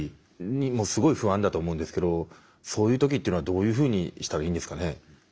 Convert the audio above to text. すごい不安だと思うんですけどそういう時っていうのはどういうふうにしたらいいんですかね？